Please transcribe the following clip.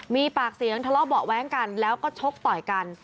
มีปากเสียงทะเลาะเบาะแว้งกันแล้วก็ชกต่อยกัน